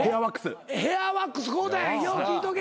ヘアワックス買うたんやよう聞いとけ。